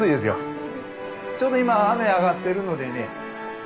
ちょうど今雨上がってるのでね。